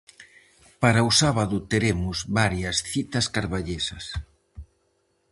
Para o sábado teremos varias citas carballesas.